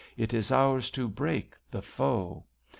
It is ours to break the foe.